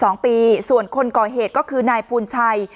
ในส่วนคนก่อเหตุก็คือนายฟูนชัย